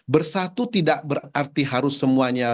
bersatu tidak berarti harus semuanya